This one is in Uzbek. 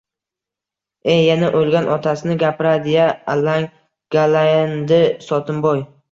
E, yana oʻlgan otasini gapiradi-ya, – alangalandi Sotimboy.